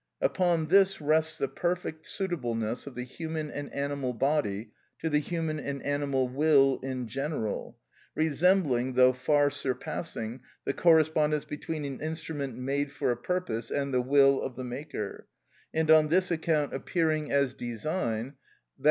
Upon this rests the perfect suitableness of the human and animal body to the human and animal will in general, resembling, though far surpassing, the correspondence between an instrument made for a purpose and the will of the maker, and on this account appearing as design, _i.